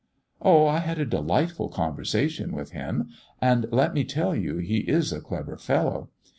"O I had a delightful conversation with him, and let me tell you he is a clever fellow.